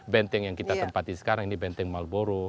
benteng yang kita tempati sekarang ini benteng malboro